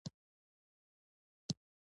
مېلمستیا په عینومېنه کې ده.